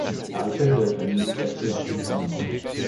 La richesse de la famille s'accrut ainsi grandement.